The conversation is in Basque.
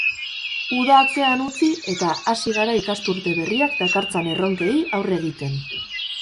Uda atzean utzi eta, hasi gara ikasturte berriak dakartzan erronkei aurre egiten.